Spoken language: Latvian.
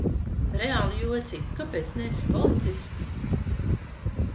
Reāli jocīgi, kāpēc neesi policists?